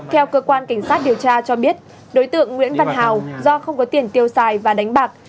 theo cơ quan cảnh sát điều tra cho biết đối tượng nguyễn văn hào do không có tiền tiêu xài và đánh bạc